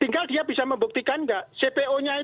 tinggal dia bisa membuktikan nggak cpo nya itu